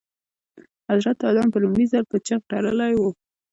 حضرت ادم په لومړي ځل په جغ تړلي وو.